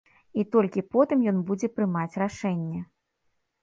І толькі потым ён будзе прымаць рашэнне.